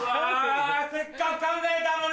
せっかく考えたのに！